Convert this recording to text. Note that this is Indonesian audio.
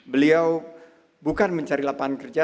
beliau bukan mencari lapangan kerja